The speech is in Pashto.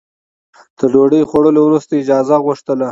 تر ډوډۍ خوړلو وروسته اجازه غوښتله.